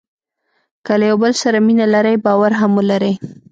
که له یو بل سره مینه لرئ باور هم ولرئ.